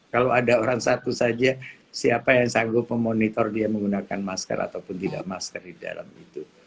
kalau ada orang satu saja siapa yang sanggup memonitor dia menggunakan masker ataupun tidak masker di dalam itu